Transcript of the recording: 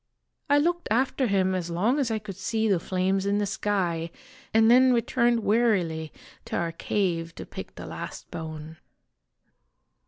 I looked after him as long as I could see the flames in the sky, and then returned wearily to our cave to pick the last bone.